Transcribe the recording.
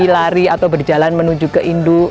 lari atau berjalan menuju ke induk